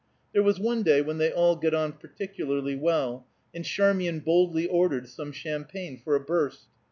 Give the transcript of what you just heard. There was one day when they all got on particularly well, and Charmian boldly ordered some champagne for a burst.